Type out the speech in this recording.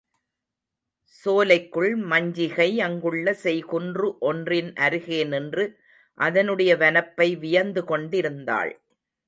சோலைக்குள் மஞ்சிகை அங்குள்ள செய்குன்று ஒன்றின் அருகே நின்று அதனுடைய வனப்பை வியந்து கொண்டிருந்தாள்.